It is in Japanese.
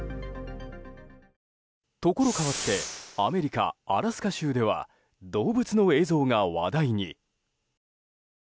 ところ変わってアメリカ・アラスカ州では動物の映像が話題に。